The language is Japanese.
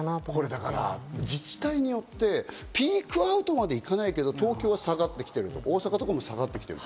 これ、だから自治体によってピークアウトまで行かないけど東京は下がってきてる、大阪とかも下がってきてる。